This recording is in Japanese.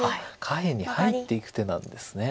下辺に入っていく手なんですね。